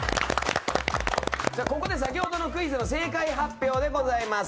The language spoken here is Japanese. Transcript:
ここで先ほどのクイズの正解発表でございます。